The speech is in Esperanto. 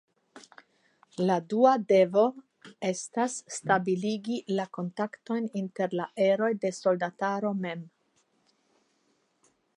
La dua devo esta stabiligi la kontaktojn inter la eroj de soldataro mem.